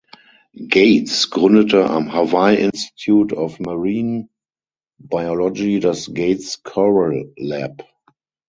Gates gründete am Hawaii Institute of Marine Biology das Gates Coral Lab.